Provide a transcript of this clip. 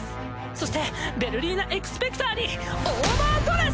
そしてヴェルリーナ・エクスペクターにオーバードレス！